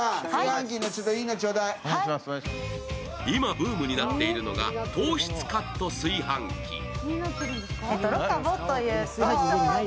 今ブームになっているのが糖質カット炊飯器。